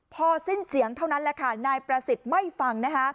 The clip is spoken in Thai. พอสิ้นเสียงเท่านั้นนายประสิทธิ์ไม่ฟัง